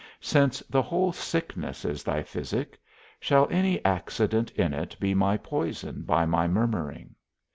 Since the whole sickness is thy physic, shall any accident in it be my poison by my murmuring?